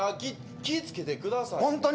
気を付けてくださいよ。